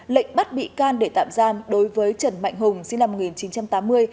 lệnh bắt bị can để tạm giam đối với trần mạnh hùng sinh năm một nghìn chín trăm tám mươi